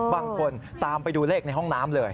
บางคนตามไปดูเลขในห้องน้ำเลย